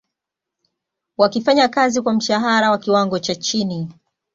wakifanya kazi kwa mshahara wa kiwango cha chini